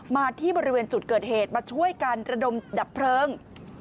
มาที่บริเวณจุดเกิดเหตุมาช่วยกันระดมดับเพลิง